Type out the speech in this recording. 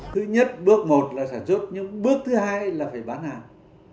thứ nhất bước một là sản xuất nhưng bước thứ hai là phải bán hàng